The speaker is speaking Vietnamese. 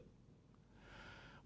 bộ văn hóa thể thao và du lịch